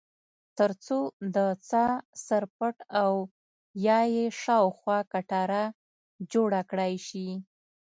ترڅو د څاه سر پټ او یا یې خواوشا کټاره جوړه کړای شي.